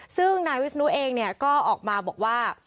ซึ่งนายวิศนุเองก็ออกมาบอกว่า